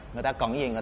người ta cần cái gì